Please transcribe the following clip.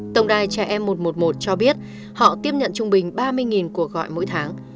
tổng đài trẻ em một trăm một mươi một cho biết họ tiếp nhận trung bình ba mươi cuộc gọi mỗi tháng